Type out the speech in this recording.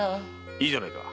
いいじゃないか。